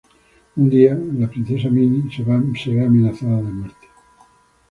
Un día, la princesa Minnie se ve amenazada de muerte.